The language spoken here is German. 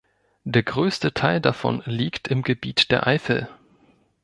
Der größte Teil davon liegt im Gebiet der Eifel.